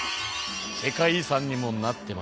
世界遺産にもなってます。